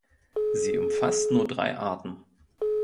Sie umfasst nur drei Arten.